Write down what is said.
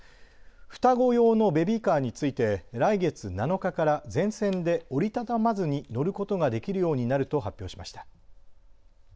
双子用のベビーカーについて来月７日から全線で折り畳まずに乗ることができるようになると発表しました。